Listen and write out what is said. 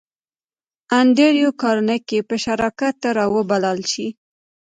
انډریو کارنګي به شراکت ته را وبللای شې